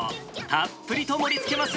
たっぷりと盛りつけます。